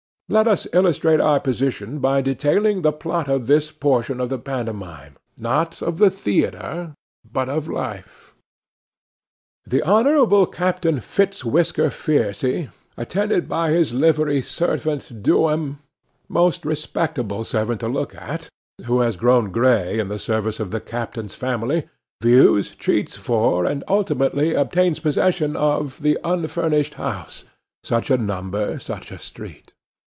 Let us illustrate our position by detailing the plot of this portion of the pantomime—not of the theatre, but of life. The Honourable Captain Fitz Whisker Fiercy, attended by his livery servant Do'em—a most respectable servant to look at, who has grown grey in the service of the captain's family—views, treats for, and ultimately obtains possession of, the unfurnished house, such a number, such a street.